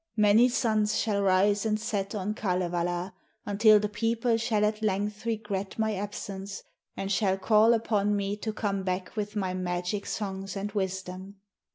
Many suns shall rise and set on Kalevala until the people shall at length regret my absence and shall call upon me to come back with my magic songs and wisdom.